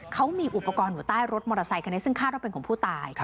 เขามีอุปกรณ์อยู่ใต้รถมอเตอร์ไซคันนี้ซึ่งคาดว่าเป็นของผู้ตาย